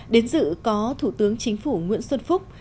đến dự có thủ tướng chính phủ nguyễn xuân phúc